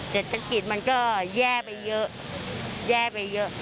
เศรษฐกิจมันก็แย่ไปเยอะแย่ไปเยอะ